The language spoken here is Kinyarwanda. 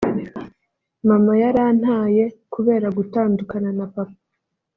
“Mama yarantaye kubera gutandukana na papa